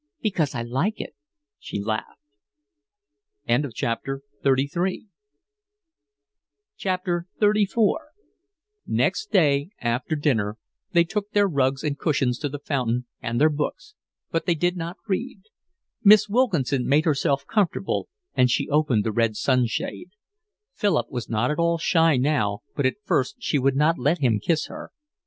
"Because I like it," she laughed. XXXIV Next day after dinner they took their rugs and cushions to the fountain, and their books; but they did not read. Miss Wilkinson made herself comfortable and she opened the red sun shade. Philip was not at all shy now, but at first she would not let him kiss her.